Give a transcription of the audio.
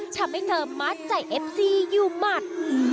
ทำให้เธอมัดใจเอฟซีอยู่หมัด